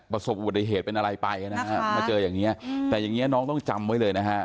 ประสบอุบัติเหตุเป็นอะไรไปนะฮะมาเจออย่างนี้แต่อย่างเงี้น้องต้องจำไว้เลยนะฮะ